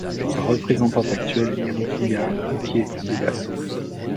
Sa représentante actuelle est Ruqiya Uke Bedaso.